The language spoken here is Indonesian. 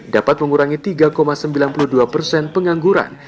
dapat mengurangi tiga sembilan puluh dua persen pengangguran